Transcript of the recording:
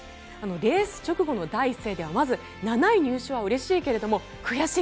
レース直後の第１声はまず、７位入賞はうれしいけれども悔しい